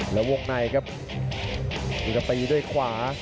แล้ววงในครับนี่ครับตีด้วยขวา